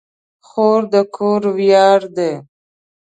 خور د کور ویاړ ده.